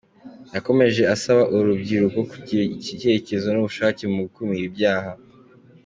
Yakomeje asaba uru rubyiruko kugira icyerekezo n’ubushake mu gukumira ibyaha.